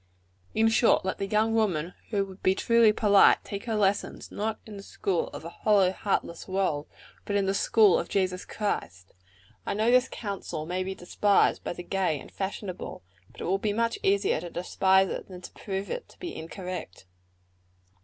In short, let the young woman who would be truly polite, take her lessons, not in the school of a hollow, heartless world, but in the school of Jesus Christ. I know this counsel may be despised by the gay and fashionable; but it will be much easier to despise it than to prove it to be incorrect.